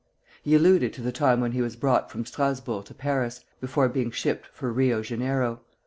He alluded to the time when he was brought from Strasburg to Paris, before being shipped for Rio Janeiro.